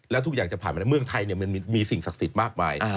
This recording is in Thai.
แล้วทุกอย่างจะผ่านมาในเมืองไทยมันมีสิ่งศักดิ์สิทธิ์มากมาย